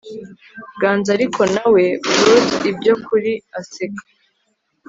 Ganza Ariko nawe brute ibyo kuri aseka